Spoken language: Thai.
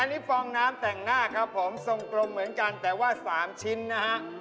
อันนี้ฟองน้ำแต่งหน้าครับผมทรงกลมเหมือนกันแต่ว่า๓ชิ้นนะฮะ